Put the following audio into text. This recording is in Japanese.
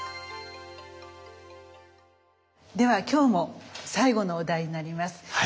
では今日も最後のお題になります。